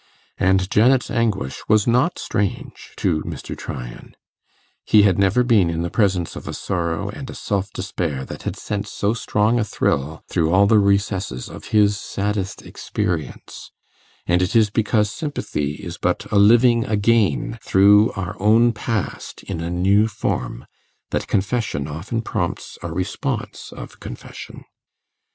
And Janet's anguish was not strange to Mr. Tryan. He had never been in the presence of a sorrow and a self despair that had sent so strong a thrill through all the recesses of his saddest experience; and it is because sympathy is but a living again through our own past in a new form, that confession often prompts a response of confession.